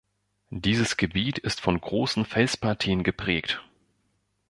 Dieses Gebiet ist von großen Felspartien geprägt.